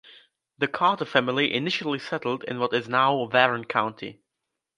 The Carter family initially settled in what is now Warren County.